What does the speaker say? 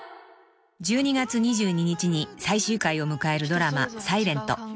［１２月２２日に最終回を迎えるドラマ『ｓｉｌｅｎｔ』］